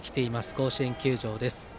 甲子園球場です。